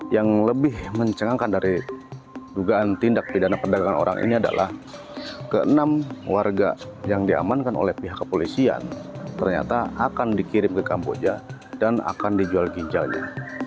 yang lebih mencengangkan dari dugaan tindak pidana perdagangan orang ini adalah ke enam warga yang diamankan oleh pihak kepolisian ternyata akan dikirim ke kamboja dan akan dijual ginjalnya